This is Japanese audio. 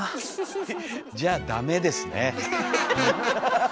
じゃあダメですね。